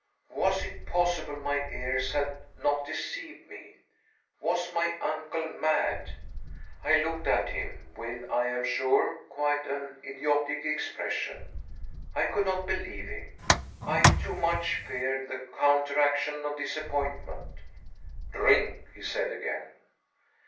Was it possible my ears had not deceived me? Was my uncle mad? I looked at him, with, I am sure, quite an idiotic expression. I could not believe him. I too much feared the counteraction of disappointment. "Drink," he said again.